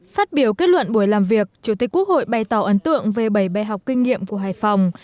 phát biểu kết luận buổi làm việc chủ tịch quốc hội bày tỏ ấn tượng về bảy bài học kinh nghiệm của hải phòng